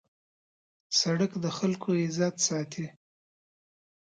سړک د خلکو عزت ساتي.